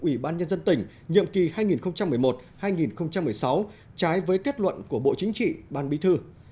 ủy ban nhân dân tỉnh nhiệm kỳ hai nghìn một mươi một hai nghìn một mươi sáu trái với kết luận của bộ chính trị ban bí thư